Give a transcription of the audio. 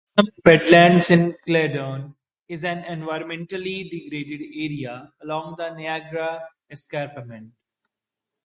The Cheltenham Badlands in Caledon is an environmentally degraded area along the Niagara Escarpment.